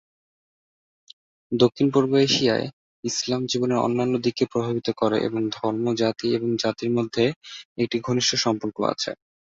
দক্ষিণ-পূর্ব এশিয়ায়, ইসলাম জীবনের অন্যান্য দিককে প্রভাবিত করে, এবং ধর্ম, জাতি এবং জাতির মধ্যে একটি ঘনিষ্ঠ সম্পর্ক আছে।